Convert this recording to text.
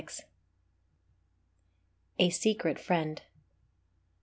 A Secret Friend.